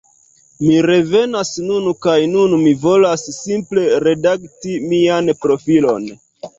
Mi revenas nun kaj nun mi volas simple redakti mian profilon